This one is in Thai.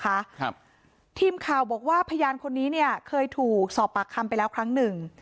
ครับทีมข่าวบอกว่าพยานคนนี้เนี่ยเคยถูกสอบปากคำไปแล้วครั้งหนึ่ง